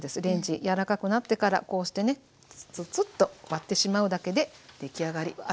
レンジ柔らかくなってからこうしてねツツッと割ってしまうだけで出来上がり。